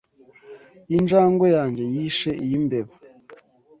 Injangwe yanjye yishe iyi mbeba.